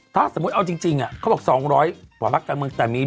ถ้าสมมติเอาจริงอะเขาบอก๒๐๐ประมาณ